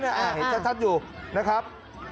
เท่าทัดอยู่นะครับ